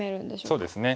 そうですね。